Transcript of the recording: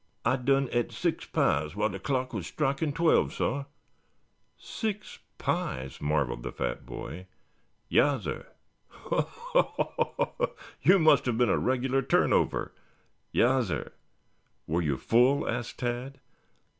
"I done et six pies while de clock was strikin' twelve, sah." "Six pies?" marveled the fat boy. "Yassir." "Ho, ho, ho! Ha, ha, ha! You must have been a regular turn over." "Yassir." "Were you full?" asked Tad.